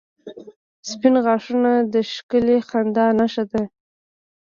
• سپین غاښونه د ښکلي خندا نښه ده.